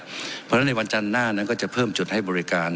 เพราะฉะนั้นในวันจันทร์หน้านั้นก็จะเพิ่มจุดให้บริการ